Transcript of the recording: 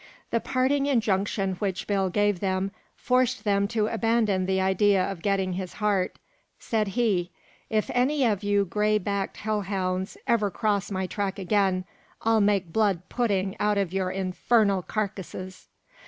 The parting injunction which Bill gave them forced them to abandon the idea of getting his heart. Said he: "If any of you gray backed hell hounds ever cross my track again, I'll make blood pudding out of your infernal carcasses."